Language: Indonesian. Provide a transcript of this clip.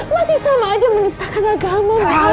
masih sama aja menistahkan agama mas